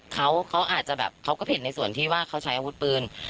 เขาก็เห็นในส่วนที่ว่าเขาใช้อาวุธปืน